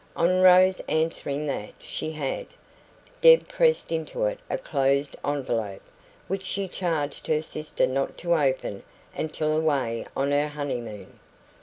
On Rose answering that she had, Deb pressed into it a closed envelope, which she charged her sister not to open until away on her honeymoon.